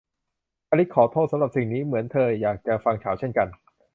อลิซขอโทษสำหรับสิ่งนี้ เหมือนเธออยากจะฟังข่าวเช่นกัน